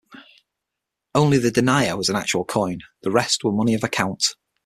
Only the denier was an actual coin; the rest were money of account.